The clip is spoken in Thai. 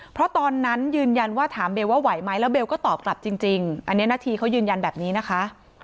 เพราะตอนนั้นยืนยันว่าถามเบลว่าไหวไหมแล้วเบลก็ตอบกลับจริงอันนี้นาธีเขายืนยันแบบนี้นะคะ